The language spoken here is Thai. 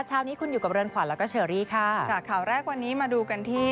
เช้านี้คุณอยู่กับเรือนขวัญแล้วก็เชอรี่ค่ะค่ะข่าวแรกวันนี้มาดูกันที่